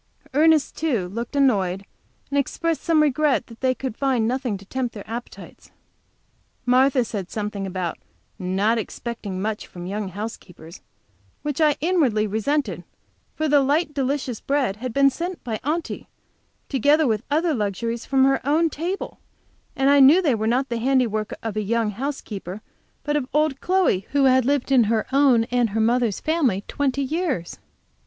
Ernest, too, looked annoyed, and expressed some regret that they could find nothing to tempt their appetites. Martha said something about not expecting much from young housekeepers, which I inwardly resented, for the light, delicious bread had been sent by Aunty, together with other luxuries from her own table, and I knew they were not the handiwork of a young housekeeper, but of old Chloe, who had lived in her own and her mother's family twenty years.